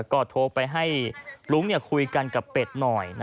ก็โทรไปให้ลุ้งคุยกันกับเป็ดหน่อย